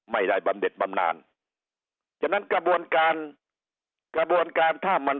บำเด็ดบำนานฉะนั้นกระบวนการกระบวนการถ้ามัน